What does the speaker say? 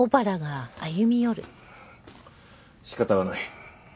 仕方がない。